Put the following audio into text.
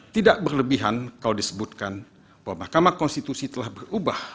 tidak berlebihan kalau disebutkan bahwa mahkamah konstitusi telah berubah